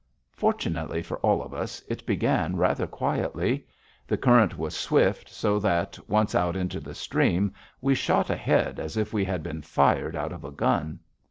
Fortunately for all of us, it began rather quietly. The current was swift, so that, once out into the stream, we shot ahead as if we had been fired out of a gun.